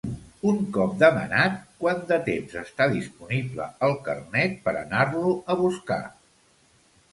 Un cop demanat, quant de temps està disponible el carnet per anar-lo a buscar?